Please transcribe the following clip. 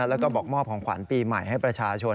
แล้วก็บอกมอบของขวัญปีใหม่ให้ประชาชน